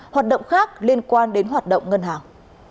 hoạt động khác liên quan đến hoạt động ngân hàng